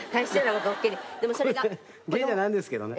これ芸じゃないんですけどね。